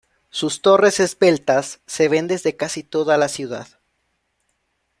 Sus torres esbeltas se ven desde casi toda la ciudad.